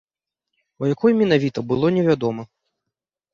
У якой менавіта, было невядома.